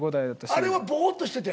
あれはぼっとしてて？